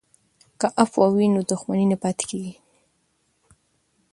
که عفوه وي نو دښمني نه پاتیږي.